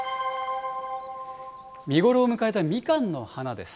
見頃を迎えたみかんの花です。